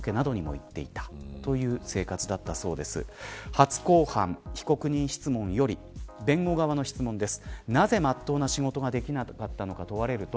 初公判の被告人質問より弁護側の質問です。